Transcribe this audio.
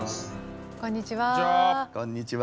こんにちは。